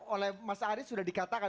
oleh mas arief sudah dikatakan